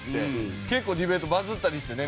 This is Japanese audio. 結構ディベートバズったりしてね